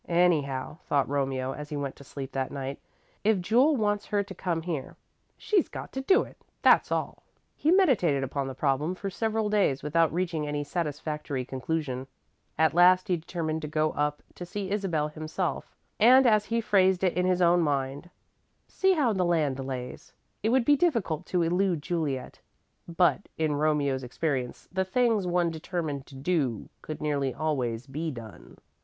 "Anyhow," thought Romeo as he went to sleep that night, "if Jule wants her to come here, she's got to do it, that's all." He meditated upon the problem for several days without reaching any satisfactory conclusion. At last he determined to go up to see Isabel himself, and, as he phrased it in his own mind, "see how the land lays." It would be difficult to elude Juliet, but, in Romeo's experience, the things one determined to do could nearly always be done.